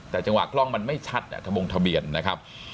แต่จังหวะกล้องมันไม่ชัดทะบงทะเบียนนะครับ